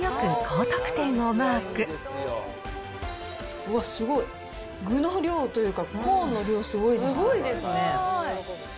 うわっ、すごい、具の量というか、コーンの量すごいです。